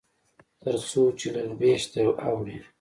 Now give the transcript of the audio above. تر څو چې له لوېشته اوړي.